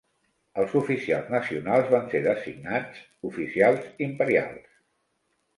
Els oficials nacionals van ser designats oficials "imperials".